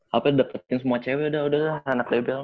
hape dapetin semua cewek udah udah lah anak dbl mah